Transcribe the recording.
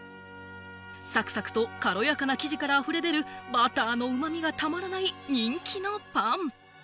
サクサクと軽やかな生地からあふれ出るバターのうま味がたまらない人気のパン。